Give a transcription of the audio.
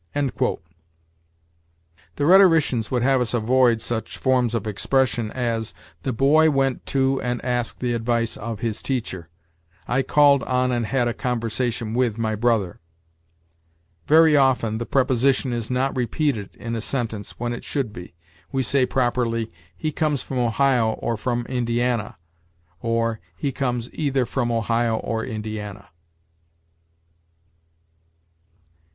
The rhetoricians would have us avoid such forms of expression as, "The boy went to and asked the advice of his teacher"; "I called on and had a conversation with my brother." Very often the preposition is not repeated in a sentence, when it should be. We say properly, "He comes from Ohio or from Indiana"; or, "He comes either from Ohio or Indiana."